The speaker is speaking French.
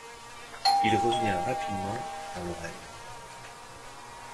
Il revient rapidement en Lorraine.